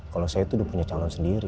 kalau saya itu udah punya calon sendiri